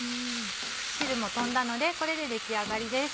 汁も飛んだのでこれで出来上がりです。